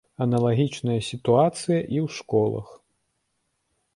Аналагічная сітуацыя і ў школах.